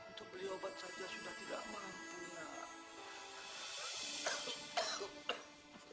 untuk beliau banyak yang bisa dihapustv